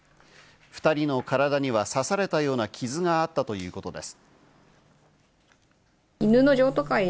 ２人の体には刺されたような傷があったということです。